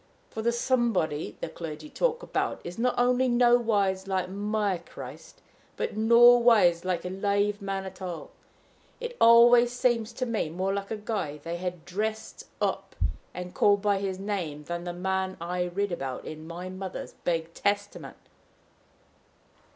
For the somebody the clergy talk about is not only nowise like my Christ, but nowise like a live man at all. It always seemed to me more like a guy they had dressed up and called by his name than the man I read about in my mother's big Testament."